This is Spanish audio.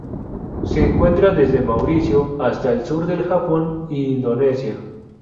Se encuentra desde Mauricio hasta el sur del Japón y Indonesia.